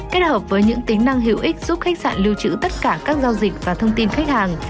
kết hợp với những tính năng hữu ích giúp khách sạn lưu trữ tất cả các giao dịch và thông tin khách hàng